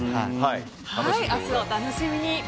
明日、お楽しみに。